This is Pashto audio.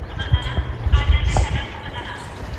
ښځه چېرته بايد خپل زينت او آرائش ښکاره نه کړي؟